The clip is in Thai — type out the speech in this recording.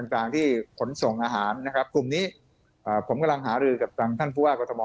ต่างที่ขนส่งอาหารนะครับกลุ่มนี้ผมกำลังหารือกับทางท่านผู้ว่ากรทม